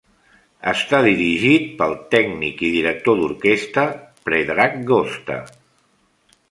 Està dirigit pel tècnic i director d'orquestra Predrag Gosta.